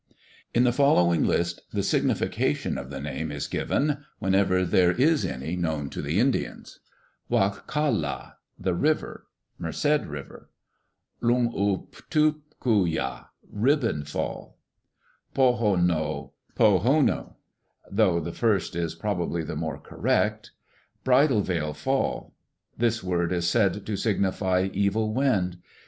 "In the following list, the signification of the name is given whenever there is any known to the Indians: "Wa kal' la (the river), Merced River. "Lung u tu ku' ya, Ribbon Fall. "Po' ho no, Po ho' no (though the first is probably the more correct), Bridal Veil Fall.... This word is said to signify 'evil wind.'